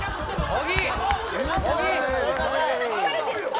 小木！